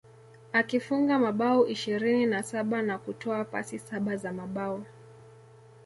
Akifunga mabao ishirini na saba na kutoa pasi saba za mabao